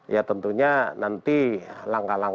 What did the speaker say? ya tentunya nanti langkah langkah